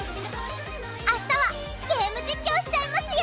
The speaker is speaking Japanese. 明日はゲーム実況しちゃいますよ！